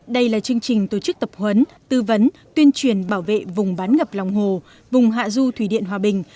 đây là chương trình tổ chức tập huấn tư vấn tuyên truyền bảo vệ vùng bán ngập lòng hồ vùng hạ du thủy điện hòa bình